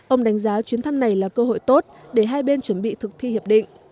ông đánh giá chuyến thăm này là cơ hội tốt để hai bên chuẩn bị thực thi hiệp định